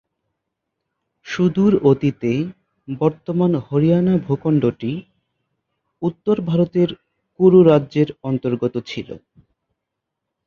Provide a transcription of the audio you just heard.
সুদূর অতীতে বর্তমান হরিয়ানা ভূখণ্ডটি উত্তর ভারতের কুরু রাজ্যের অন্তর্গত ছিল।